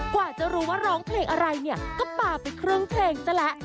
กว่าจะรู้ว่าร้องเพลงอะไรเนี่ยก็ปลาไปครึ่งเพลงซะแล้ว